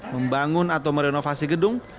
membangun atau merenovasi gedung